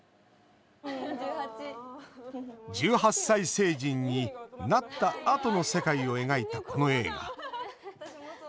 １８歳成人になったあとの世界を描いた、この映画。